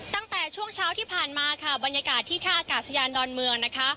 ตั้งแต่ช่วงเช้าที่ผ่านมาค่ะบรรยากาศที่ท่าอากาศยานดอนเมืองนะคะ